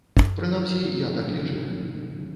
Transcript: Прынамсі, я так лічыў.